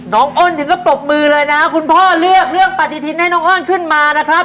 อ้นถึงก็ปรบมือเลยนะคุณพ่อเลือกเรื่องปฏิทินให้น้องอ้อนขึ้นมานะครับ